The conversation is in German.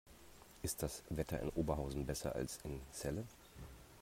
Ist das Wetter in Oberhausen besser als in Celle?